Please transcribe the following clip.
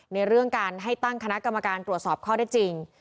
ในเรื่องการให้ตั้งคณะกรรมการตรวจสอบข้อได้จริง